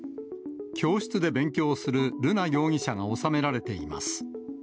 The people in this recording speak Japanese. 教室で勉強する瑠奈容疑者が収められています。